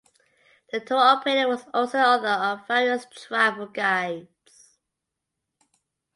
The tour operator was also the author of various travel guides.